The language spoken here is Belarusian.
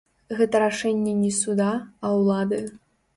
Гэта рашэнне не суда, а ўлады.